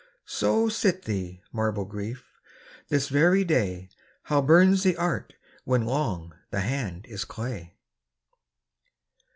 So sit thee, marble Grief ! this very day How burns the art when long the hand is clay